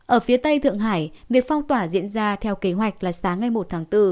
ở phía tây thượng hải việc phong tỏa diễn ra theo kế hoạch là sáng ngày một tháng bốn